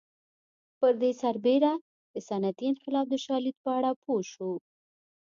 پر دې سربېره د صنعتي انقلاب د شالید په اړه پوه شو